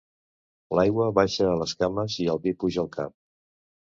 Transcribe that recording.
L'aigua baixa a les cames i el vi puja al cap.